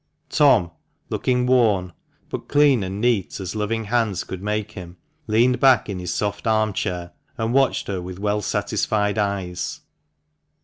Tom, looking worn, but clean and neat as loving hands could make him, leaned back in his soft arm chair, and watched her with well satisfied eyes.